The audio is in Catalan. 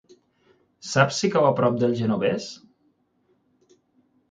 Saps si cau a prop del Genovés?